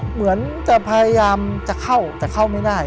เหมือนจะพยายามจะเข้าแต่เข้าไม่ได้